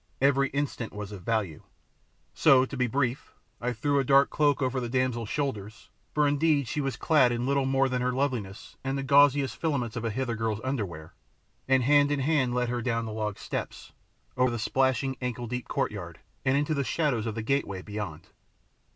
Every instant was of value. So, to be brief, I threw a dark cloak over the damsel's shoulders, for indeed she was clad in little more than her loveliness and the gauziest filaments of a Hither girl's underwear, and hand in hand led her down the log steps, over the splashing, ankle deep courtyard, and into the shadows of the gateway beyond.